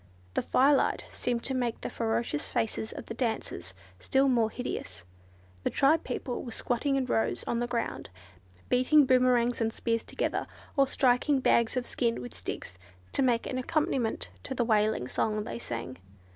The firelight seemed to make the ferocious faces of the dancers still more hideous. The tribe people were squatting in rows on the ground, beating boomerangs and spears together, or striking bags of skin with sticks, to make an accompaniment to the wailing song they sang.